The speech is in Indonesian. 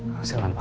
pak bisa lah pak